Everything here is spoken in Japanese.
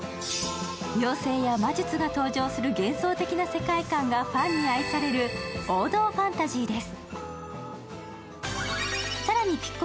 妖精や魔術が登場する幻想的な世界観がファンに愛される王道ファンタジーです。